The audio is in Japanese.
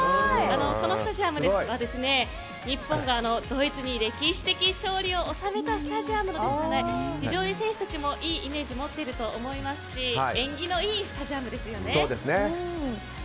このスタジアムは日本がドイツに歴史的勝利を収めたスタジアムなので非常に選手たちもいいイメージを持っていると思いますし縁起のいいスタジアムですよね。